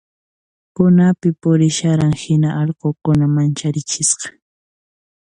Punapi purisharan hina allqukuna mancharichisqa